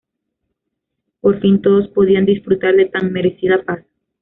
Por fin todos podían disfrutar de tan merecida paz.